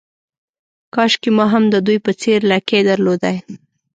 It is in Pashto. کاشکې ما هم د دوی په څېر لکۍ درلودای.